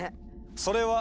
それは。